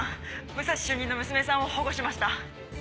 武蔵主任の娘さんを保護しました。